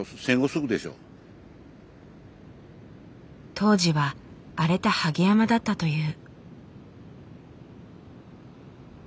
当時は荒れたハゲ山だったという。